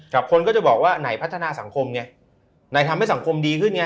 คนก็จะบอกว่าไหนพัฒนาสังคมไงไหนทำให้สังคมดีขึ้นไง